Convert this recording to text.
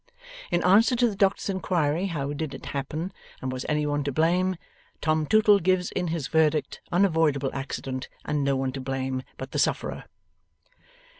In answer to the doctor's inquiry how did it happen, and was anyone to blame, Tom Tootle gives in his verdict, unavoidable accident and no one to blame but the sufferer.